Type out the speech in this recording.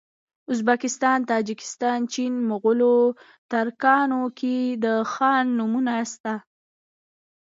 ازبکستان تاجکستان چین مغول ترکانو کي د خان نومونه سته